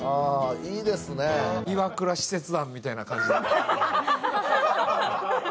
いいですね、岩倉使節団みたいな感じで。